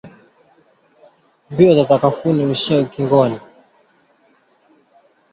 Mbio za sakafuni huishia ukingoni.